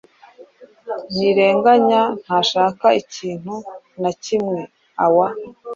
Ntirenganya ntashaka ikintu na kimwe awa.